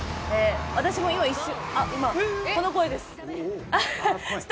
私も今、一瞬。